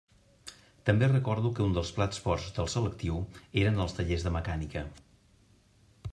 També recordo que un dels plats forts del selectiu eren els tallers de mecànica.